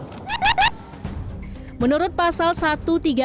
ketika pembalasan teman teman tersebut tidak hadir mereka terdapat penyelesaian